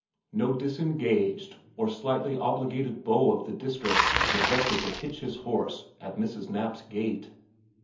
No disengaged or slightly obligated beau of the district neglected to hitch his horse at Mrs. Knapp's gate.